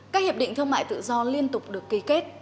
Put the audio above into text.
các hiệp định thương mại tự do liên tục được ký kết